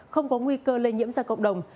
không có nguy cơ lây nhiễm ra cộng đồng